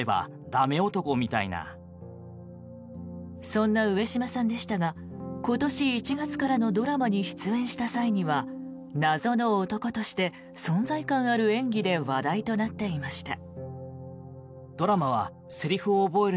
そんな上島さんでしたが今年１月からのドラマに出演した際には謎の男として存在感ある演技で話題となっていました。